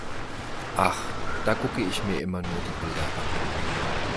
Ach, da gucke ich mir immer nur die Bilder an.